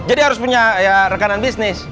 jadi harus punya ya rekanan bisnis